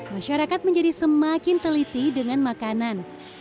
masyarakat menjadi semakin teliti dengan makanan